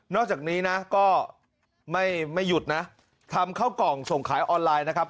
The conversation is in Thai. จากนี้นะก็ไม่หยุดนะทำเข้ากล่องส่งขายออนไลน์นะครับ